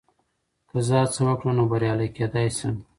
که زه هڅه وکړم، نو بریالی کېدای شم.